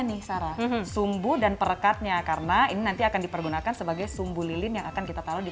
nih sarah sumbu dan perekatnya karena ini nanti akan dipergunakan sebagai sumbu lilin yang akan kita taruh di